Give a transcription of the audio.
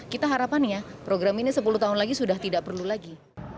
kita harapannya program ini sepuluh tahun lagi sudah tidak perlu lagi